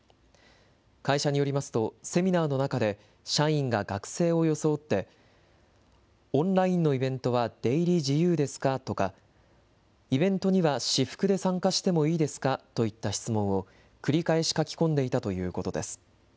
会社によりますと、セミナーの中で、社員が学生を装って、オンラインのイベントは出入り自由ですか？とか、イベントには私服で参加してもいいですか？といった質問を繰り返し書き込んでいたということです。